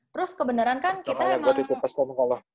terus kebeneran kan kita emang